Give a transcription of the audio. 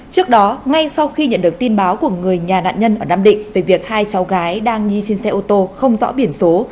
trước đó ngay sau khi nhận được tin báo của người nhà nạn nhân ở nam định về việc hai cháu gái đang nghi trên xe ô tô không rõ biển số